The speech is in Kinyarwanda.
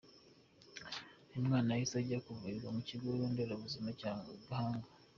Uyu mwana yahise ajya kuvurirwa ku kigo nderabuzima cya Gahanga.